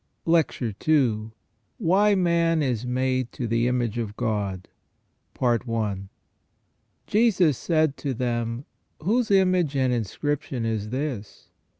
LECTURE II. WHY MAN IS MADE TO THE IMAGE OF GOD. "Jesus said to them : Whose image and inscription is this